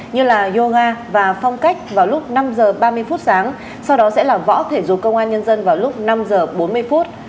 như là yoga và phong cách vào lúc năm h ba mươi phút sáng sau đó sẽ là võ thể dục công an nhân dân vào lúc năm giờ bốn mươi phút